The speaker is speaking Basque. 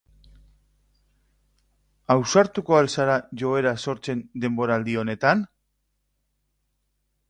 Ausartuko al zara joera sortzen denboraldi honetan?